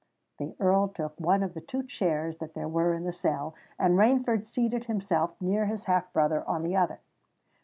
The Earl took one of the two chairs that there were in the cell; and Rainford seated himself near his half brother on the other.